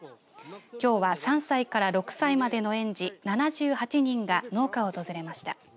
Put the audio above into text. きょうは３歳から６歳までの園児７８人が農家を訪れました。